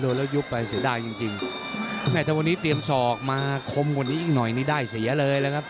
โดนแล้วยุบไปเสียดายจริงจริงแม่ถ้าวันนี้เตรียมศอกมาคมกว่านี้อีกหน่อยนี่ได้เสียเลยนะครับ